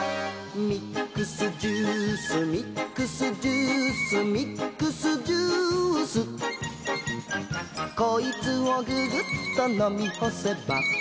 「ミックスジュースミックスジュース」「ミックスジュース」「こいつをググッとのみほせば」